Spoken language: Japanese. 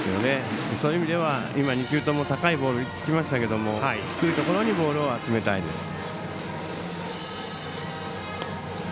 そういう意味では今、２球とも高いボールでしたが低いところにボールを集めたいですね。